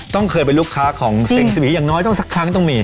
ต้องเคยไปลูกค้าของอย่างน้อยต้องสักครั้งต้องมี